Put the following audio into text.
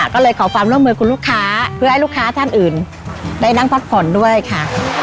ก็เลยขอความร่วมมือคุณลูกค้าเพื่อให้ลูกค้าท่านอื่นได้นั่งพักผ่อนด้วยค่ะ